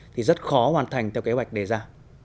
thì rất khó hoàn thành theo kế hoạch đề ra